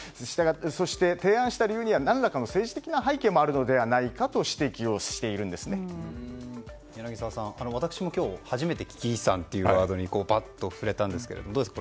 そして提案した理由には何らかの政治的理由があるのではないかと柳澤さん、私も今日、初めて危機遺産というワードに触れたんですがどうですか？